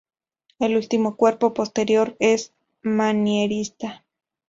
El último cuerpo, posterior, es manierista.